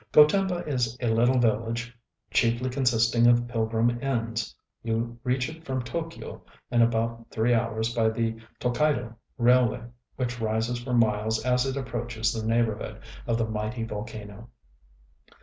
Gotemba is a little village chiefly consisting of pilgrim inns. You reach it from T┼Źky┼Ź in about three hours by the T┼Źkaid┼Ź railway, which rises for miles as it approaches the neighborhood of the mighty volcano.